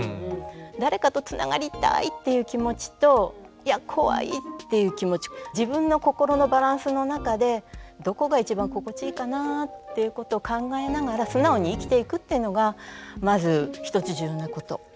誰かとつながりたいっていう気持ちといや怖いっていう気持ち自分の心のバランスの中でどこが一番心地いいかなっていうことを考えながら素直に生きていくっていうのがまず一つ重要なこと。